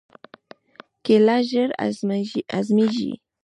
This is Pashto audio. کېله ژر هضمېږي.